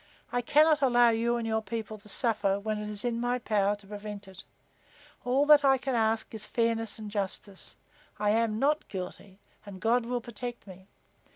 I cannot allow you and your people to suffer when it is in my power to prevent it. All that I can ask is fairness and justice. I am not guilty, and God will protect me.